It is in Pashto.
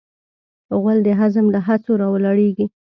غول د هضم له هڅو راولاړیږي.